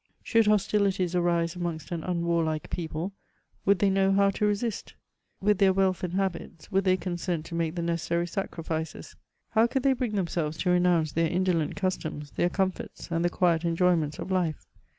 Should hostilities arise amongst an unwarlike people, would they know how to resist ? With their wealth and habit^ would they consent to make the necessary sacrifices ? How couid they bring themselves to renounce their indolent customs, their com* forts, and the quiet enjoyments of life